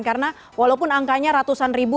karena walaupun angkanya ratusan ribu